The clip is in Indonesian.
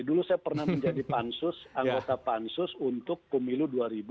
dulu saya pernah menjadi pansus anggota pansus untuk pemilu dua ribu dua puluh